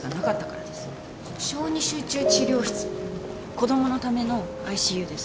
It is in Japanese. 子供のためのＩＣＵです。